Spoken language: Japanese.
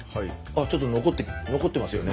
ちょっと残ってますよね。